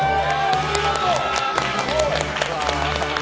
お見事！